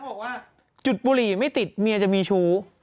บอกว่าจุดบุหรี่ไม่ติดเมียจะมีชู้